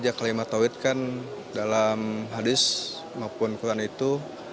ya kalimat tawhid kan dalam hadis maupun quran itu